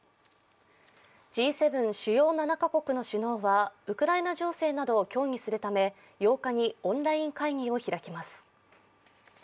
Ｇ７＝主要７か国の首脳はウクライナ情勢などを協議するため８日にオンライン会議を開きます。